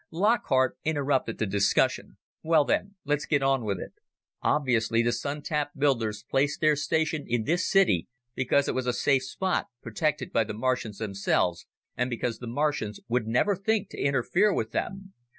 Lockhart interrupted the discussion. "Well, then, let's get on with it. Obviously, the Sun tap builders placed their station in this city because it was a safe spot, protected by the Martians themselves, and because the Martians would never think to interfere with them.